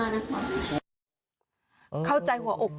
แล้วน้องป่วยเป็นเด็กออทิสติกของโรงเรียนศูนย์การเรียนรู้พอดีจังหวัดเชียงใหม่นะคะ